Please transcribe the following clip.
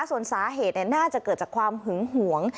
ส่วนสาเหตุน่าจะเกิดจากความหึงหวง